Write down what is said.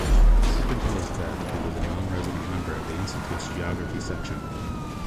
Up until his death he was a non-resident member of the Institute’s geography section.